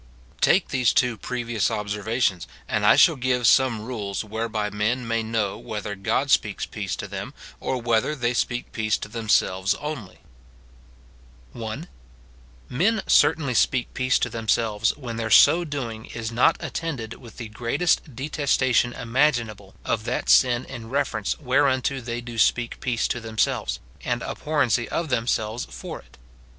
Take these two previous observations, and I shall give some rules whereby men may know whether God speaks peace to them, or whether they speak peace to them selves only :— 1. Men certainly speak peace to themselves when their so doing is not attended with the greatest detestation imaginable of that sin in reference whereunto they do speak peace to themselves, and abhorrency of themselves for it.